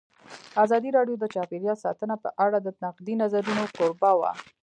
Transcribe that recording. ازادي راډیو د چاپیریال ساتنه په اړه د نقدي نظرونو کوربه وه.